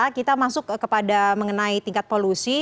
kita masuk kepada mengenai tingkat polusi